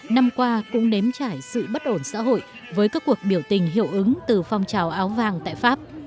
năm qua cũng nếm trải sự bất ổn xã hội với các cuộc biểu tình hiệu ứng từ phong trào áo vàng tại pháp